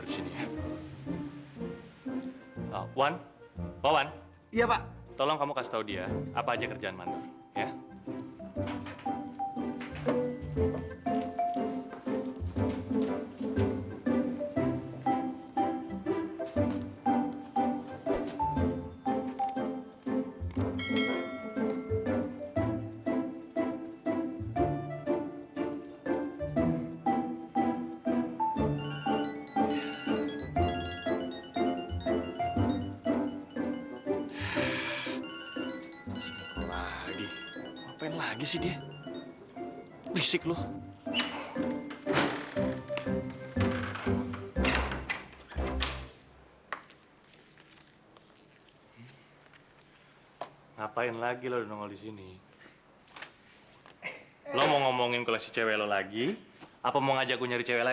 sampai jumpa di video selanjutnya